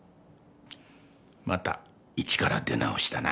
また一から出直しだな。